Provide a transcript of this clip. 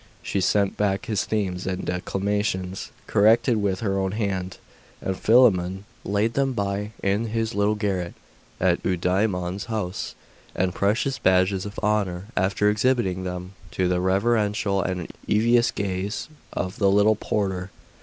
She sent back his themes and declamations, corrected with her own hand; and Philammon laid them by in his little garret at Eudaimon's house as precious badges of honour, after exhibiting them to the reverential and envious gaze of the little porter.